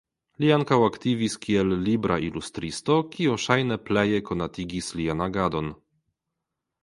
Li ankaŭ aktivis kiel libra ilustristo kio ŝajne pleje konatigis lian agadon.